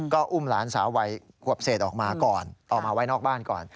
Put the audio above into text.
ก็อุ้มหลานสาววัยขวบเศษออกมาก่อนออกมาไว้นอกบ้านก่อน